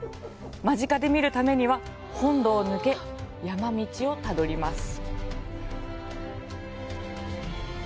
間近で見るためには本堂を抜け、山道をたどります。